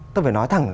ta phải nói thẳng